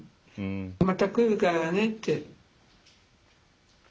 また来るからねって。